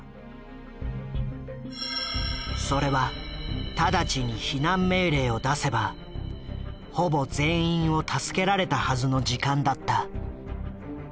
それは直ちに避難命令を出せばほぼ全員を助けられたはずの時間だった。